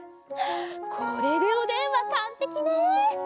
これでおでんはかんぺきね。